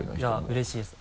うれしいです。